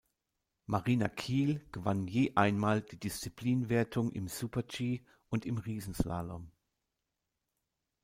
Marina Kiehl gewann je einmal die Disziplinenwertung im Super-G und im Riesenslalom.